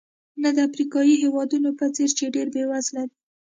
نه د افریقایي هېوادونو په څېر چې ډېر بېوزله دي.